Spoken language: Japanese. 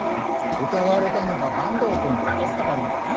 疑われたのが坂東くんでよかったかもな。